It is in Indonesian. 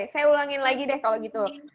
saya ulangin lagi deh kalau gitu